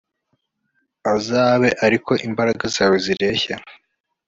azabe ari ko n'imbaraga zawe zireshya